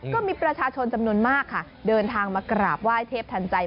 ก็มีประชาชนจำนวนมากค่ะเดินทางมากราบไหว้เทพทันใจ